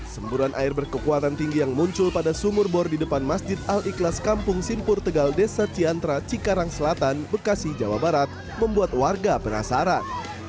semburan air berkekuatan tinggi yang muncul pada sumur bor di depan masjid al ikhlas kampung simpur tegal desa ciantra cikarang selatan bekasi jawa barat membuat warga penasaran